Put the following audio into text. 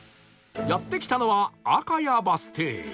やって来たのは赤谷バス停